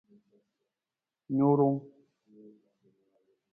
Nurung.